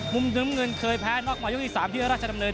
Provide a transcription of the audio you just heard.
มุมน้ำเงินเคยแพ้น็อกมายกที่๓ที่ราชดำเนิน